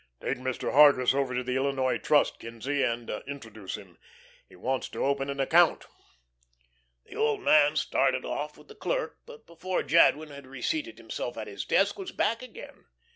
"Take Mr. Hargus over to the Illinois Trust, Kinzie, and introduce him. He wants to open an account." The old man started off with the clerk, but before Jadwin had reseated himself at his desk was back again.